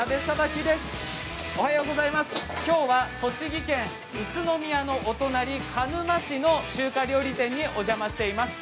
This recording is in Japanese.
きょうは栃木県宇都宮のお隣鹿沼市の中華料理店にお邪魔しています。